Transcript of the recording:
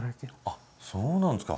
あっそうなんですか。